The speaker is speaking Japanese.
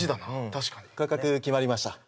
確かに価格決まりました